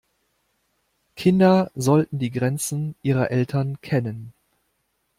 Kinder sollten die Grenzen ihrer Eltern kennen.